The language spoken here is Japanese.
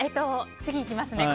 次いきますね。